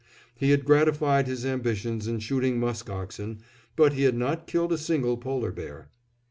He had gratified his ambitions in shooting musk oxen, but he had not killed a single polar bear.